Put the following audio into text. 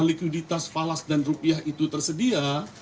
likuiditas falas dan rupiah itu tersedia